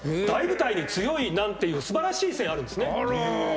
大舞台に強いなんていう素晴らしい線あるんですね。